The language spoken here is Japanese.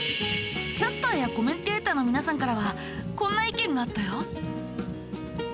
キャスターやコメンテーターの皆さんからはこんな意見があったよ。